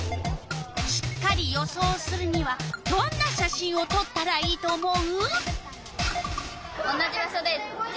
しっかり予想するにはどんな写真をとったらいいと思う？